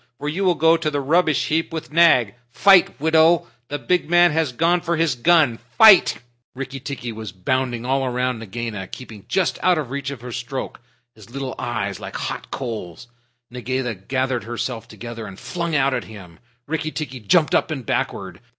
For you will go to the rubbish heap with Nag. Fight, widow! The big man has gone for his gun! Fight!" Rikki tikki was bounding all round Nagaina, keeping just out of reach of her stroke, his little eyes like hot coals. Nagaina gathered herself together and flung out at him. Rikki tikki jumped up and backward.